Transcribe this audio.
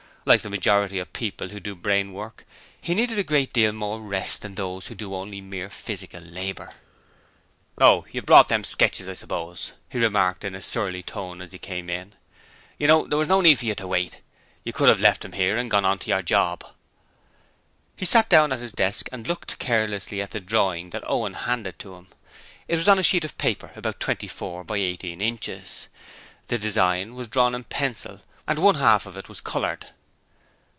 Like the majority of people who do brain work, he needed a great deal more rest than those who do only mere physical labour. 'Oh, you've brought them sketches, I suppose,' he remarked in a surly tone as he came in. 'You know, there was no need for you to wait: you could 'ave left 'em 'ere and gone on to your job.' He sat down at his desk and looked carelessly at the drawing that Owen handed to him. It was on a sheet of paper about twenty four by eighteen inches. The design was drawn with pencil and one half of it was coloured.